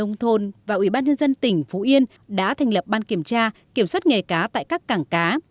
nông thôn và ủy ban nhân dân tỉnh phú yên đã thành lập ban kiểm tra kiểm soát nghề cá tại các cảng cá